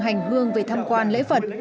hành hương về thăm quan lễ phật